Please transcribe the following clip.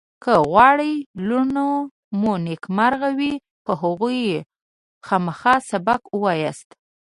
که غواړئ لوڼه مو نېکمرغ وي په هغوی خامخا سبق ووایاست